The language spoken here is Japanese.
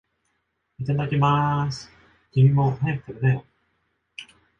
いただきまーす。君も、早く食べなよ。